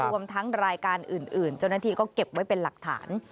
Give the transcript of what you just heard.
รวมทั้งรายการอื่นเจ้าหน้าที่ก็เก็บไว้เป็นหลักฐาน